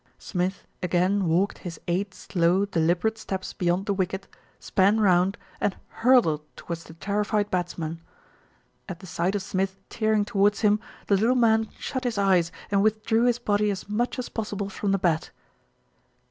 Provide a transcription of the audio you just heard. Smith again walked his eight slow, deliberate steps beyond the wicket, span round, and hurtled towards the terrified batsman. At the sight of Smith tearing towards him, the little man shut his eyes and withdrew his body as much as possible from the bat.